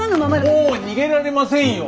もう逃げられませんよ！